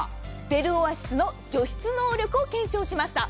ベルオアシスの除湿能力を検証しました。